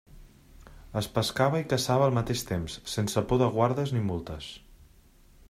Es pescava i caçava al mateix temps, sense por de guardes ni multes.